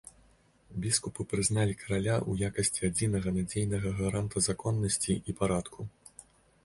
Біскупы прызналі караля ў якасці адзінага надзейнага гаранта законнасці і парадку.